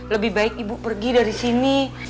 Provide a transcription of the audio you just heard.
lebih baik ibu pergi dari sini